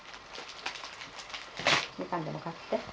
みかんでも買って。